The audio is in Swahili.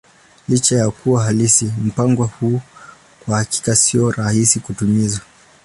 Licha ya kuwa halisi, mpango huu kwa hakika sio rahisi kutimiza.